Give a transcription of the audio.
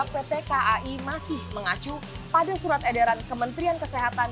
pt kai masih mengacu pada surat edaran kementerian kesehatan